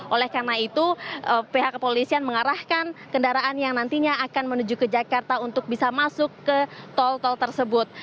oleh karena itu pihak kepolisian mengarahkan kendaraan yang nantinya akan menuju ke jakarta untuk bisa masuk ke tol tol tersebut